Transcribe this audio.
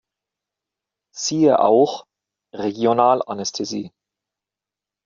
Siehe auch: Regionalanästhesie